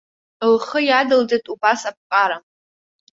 Лхы иадылҵеит убас аԥҟара.